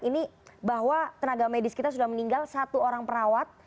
ini bahwa tenaga medis kita sudah meninggal satu orang perawat